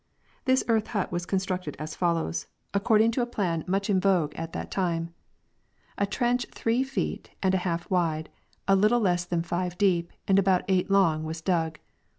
This earth hut was constructed as follows^ according to a VOL. 2. 9. 180 WAR AND PEACE. plan much in vogue at that time : a trench three feet and a half wide, a little less than five deep, and about eight long was dug.